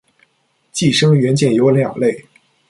寄生元件有两类。